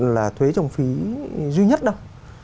là thuế trồng phí duy nhất đâu